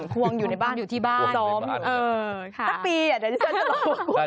ควงอยู่ในบ้านซ้อมตั้งปีอ่ะดาริสเซอร์จะรอว่าควงอยู่